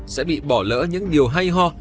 sẽ bị bỏ lỡ những điều hay ho